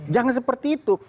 jangan seperti itu